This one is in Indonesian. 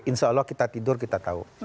insya allah kita tidur kita tahu